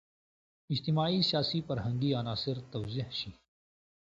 اجتماعي، سیاسي، فرهنګي عناصر توضیح شي.